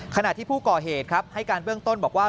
ขณะที่ผู้ก่อเหตุครับให้การเบื้องต้นบอกว่า